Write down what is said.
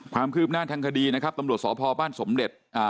ความคืบหน้าทางคดีนะครับตำรวจสพบ้านสมเด็จอ่า